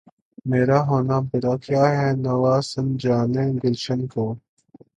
میرا ہونا برا کیا ہے‘ نوا سنجانِ گلشن کو!